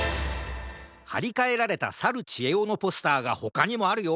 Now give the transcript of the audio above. はりかえられたさるちえおのポスターがほかにもあるよ。